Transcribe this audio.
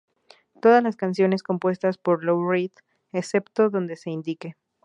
Todas las canciones compuestas por Lou Reed excepto donde se indique.